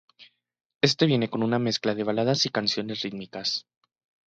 Este viene con una mezcla de baladas y canciones rítmicas.